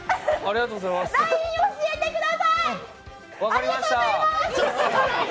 ＬＩＮＥ教えてください！